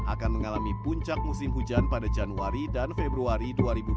akan mengalami puncak musim hujan pada januari dan februari dua ribu dua puluh empat